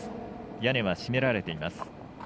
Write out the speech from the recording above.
屋根は閉められています。